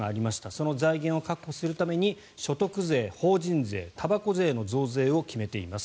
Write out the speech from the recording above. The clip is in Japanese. その財源を確保するために所得税、法人税、たばこ税の増税を決めています。